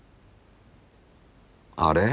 あれ？